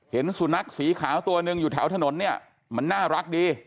เห็นสุนัขสีขาวตัวหนึ่งอยู่แถวถนนเนี่ยมันน่ารักดี